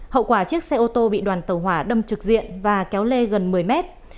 hậu quả chiếc xe ô tô bị đoàn tàu hỏa đâm trực diện và kéo lê gần một mươi mét